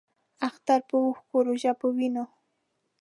اختر پۀ اوښکو ، روژۀ پۀ وینو